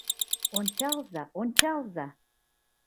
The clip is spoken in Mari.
Ончалза, ончалза!